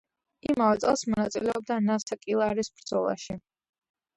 იმავე წელს მონაწილეობდა ნასაკირალის ბრძოლაში.